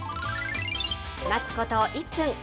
待つこと１分。